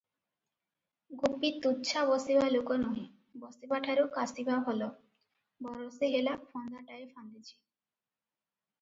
ଗୋପୀ ତୁଚ୍ଛା ବସିବା ଲୋକ ନୁହେଁ, ବସିବାଠାରୁ କାଷିବା ଭଲ, ବରଷେ ହେଲା ଫନ୍ଦାଟାଏ ଫାନ୍ଦିଛି ।